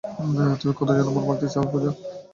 তুমি কতজনের মন ভাঙতে চাও, পুজা?